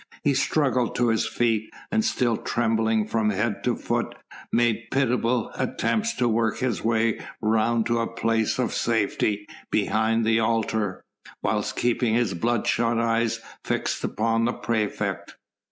He struggled to his feet, and still trembling from head to foot, made pitiable attempts to work his way round to a place of safety behind the altar, whilst keeping his bloodshot eyes fixed upon the praefect.